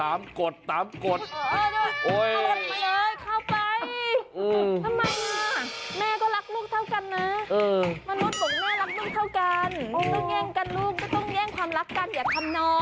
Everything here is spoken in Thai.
เอาแฟล็ตติดเหลือประทิกครอบล่ะอยู่ด้วยตามกฎ